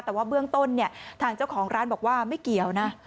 แต่ว่าเบื้องต้นเนี่ยทางเจ้าของร้านบอกว่าไม่เกี่ยวนะ